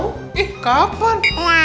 tau eh kapan